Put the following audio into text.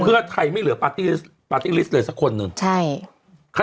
เพื่อไทยไม่เหลือปาร์ตี้ปาร์ตี้ลิสต์เลยสักคนหนึ่งใช่เขา